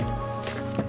alhamdulillah udah sampai